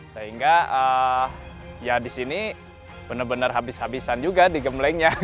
sehingga ya di sini benar benar habis habisan juga digemblengnya